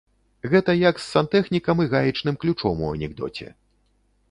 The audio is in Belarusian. Гэта як з сантэхнікам і гаечным ключом у анекдоце.